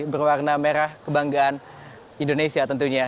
berwarna merah kebanggaan indonesia tentunya